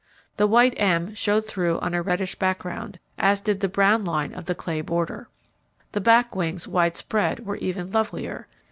The white M showed through on a reddish background, as did the brown line of the clay border. The back wings widespread were even lovelier.